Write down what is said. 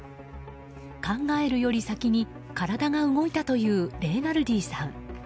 考えるより先に体が動いたというレイナルディさん。